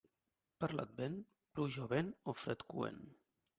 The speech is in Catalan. Per l'Advent, pluja o vent o fred coent.